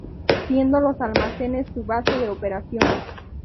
Siendo los almacenes su base de operaciones.